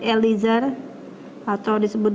eliza atau disebut